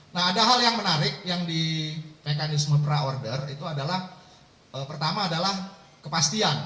nah ada hal yang menarik yang di mekanisme pre order itu adalah pertama adalah kepastian